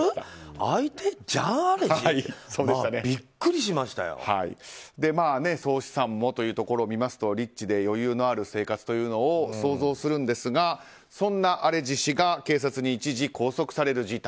相手、ジャン・アレジ？って総資産もというところを見ますとリッチで余裕のある生活を想像しますがそんなアレジ氏が警察に一時拘束される事態。